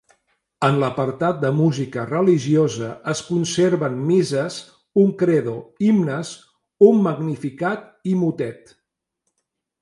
En l'apartat de música religiosa, es conserven misses, un credo, himnes, un magnificat i motet.